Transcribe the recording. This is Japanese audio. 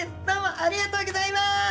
どうもありがとうギョざいます！